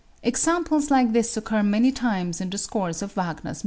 Examples like these occur many times in the scores of Wagner's music dramas.